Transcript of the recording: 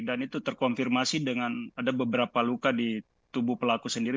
dan itu terkonfirmasi dengan ada beberapa luka di tubuh pelaku sendiri